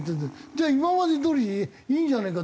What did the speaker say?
じゃあ今までどおりでいいんじゃねえかって。